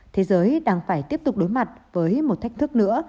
thế giới đang phải tiếp tục đối mặt với một thách thức nữa